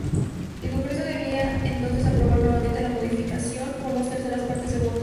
El Congreso debía entonces aprobar nuevamente la modificación por dos terceras partes de votos.